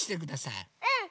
うん！